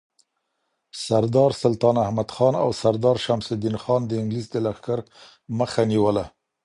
سردار سلطان احمدخان او سردار شمس الدین خان د انگلیس د لښکر مخه نیوله.